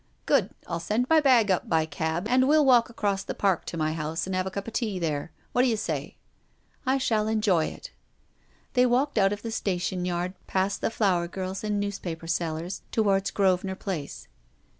" Good. I'll send my bag up by cab, and we'll walk across the Park to my house and have a cup of tea there. What d'you say ?"" I shall enjoy it." They walked out of the station yard, past the flower girls and newspaper sellers towards Gros venor Place.